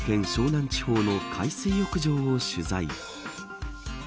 湘南地方の海水浴場を取材。